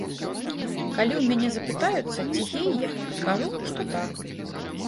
Калі ў мяне запытаюцца, ці гей я, адкажу, што так.